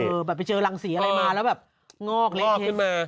แบบไปเจอรังสีอะไรมาแล้วแบบงอกเล็กขึ้นมา